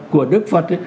của đức phật